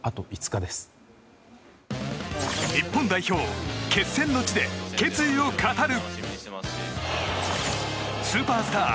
日本代表、決戦の地で決意を語る！